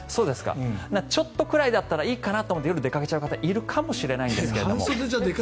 ちょっとくらいだったらいいかなと思って夜出かけちゃう方いるかもしれないんですが。